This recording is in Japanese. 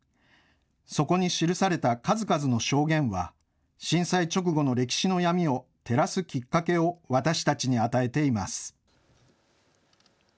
そこに記された数々の証言は震災直後の歴史の闇を照らすきっかけを私たちに与えています。